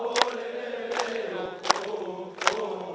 oleh lele uh uh uh